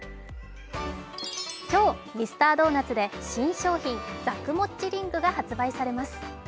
今日ミスタードーナツで新商品ザクもっちリングが発売されます。